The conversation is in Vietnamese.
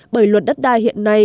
bởi luật đất đai hiện nay